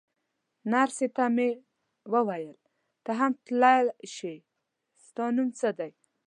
نرسې ته مې وویل: ته هم تلای شې، ستا نوم څه دی؟